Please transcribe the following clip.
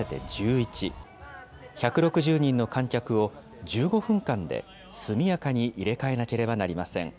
１６０人の観客を１５分間で速やかに入れ替えなければなりません。